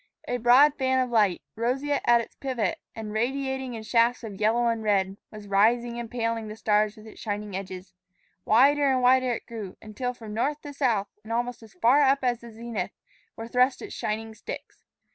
A broad fan of light, roseate at its pivot and radiating in shafts of yellow and red, was rising and paling the stars with its shining edge. Wider and wider it grew, until from north to south, and almost as far up as the zenith, were thrust its shining sticks.